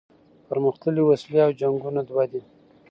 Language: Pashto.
پرمختللي وسلې او جنګونه دوه دي.